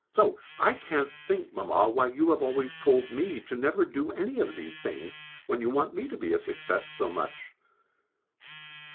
So I can't think, Mamma, why you have always told me never to do any of these things, when you want me to be a success so much.